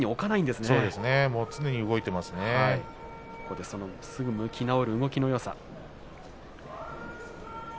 すぐ向き直る動きのよさ。